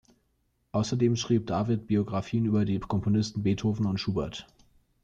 Außerdem schrieb David Biografien über die Komponisten Beethoven und Schubert.